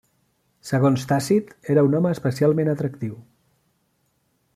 Segons Tàcit era un home especialment atractiu.